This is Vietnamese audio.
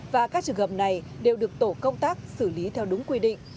và các trường hợp này đều được tổ công tác xử lý theo đúng quy định